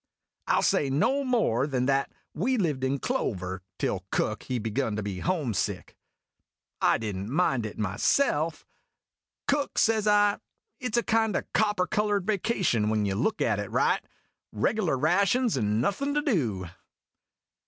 I '11 say no more than that w r e lived in clover, till Cook he begun to be homesick. I did n't mind it myself. 220 IMAGINOTIONS " Cook," says I, " it 's a kind of copper colored vacation when you look at it right reg'lar rations and nothin' to do."